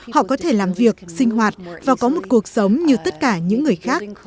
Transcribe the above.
họ có thể làm việc sinh hoạt và có một cuộc sống như tất cả những người khác